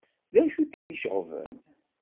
D acu kem-iceɣben?